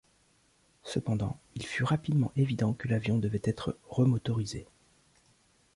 Cependant il fut rapidement évident que l'avion devait être remotorisé.